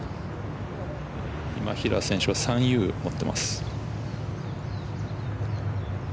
今平選手は３Ｕを持ってます。